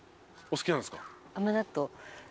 お好きなんですか？